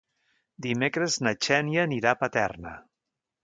Dimecres na Xènia anirà a Paterna.